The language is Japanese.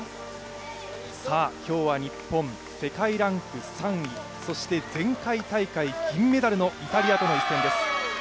今日は日本、世界ランク３位、そして前回大会銀メダルのイタリアとの一戦です。